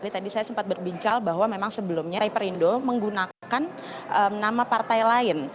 tadi saya sempat berbincang bahwa memang sebelumnya riperindo menggunakan nama partai lain